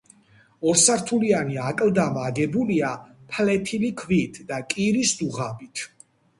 ორსართულიანი აკლდამა აგებულია ფლეთილი ქვით და კირის დუღაბით.